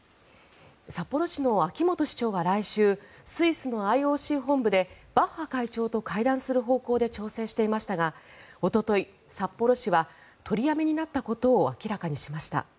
札幌市の秋元市長は来週スイスのＩＯＣ本部でバッハ会長と会談する方向で調整していましたがおととい、札幌市は取りやめになったことを明らかにしました。